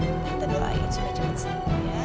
nanti doain supaya cepet sembuh ya